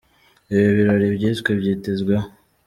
Ibi birori byiswe byitezweho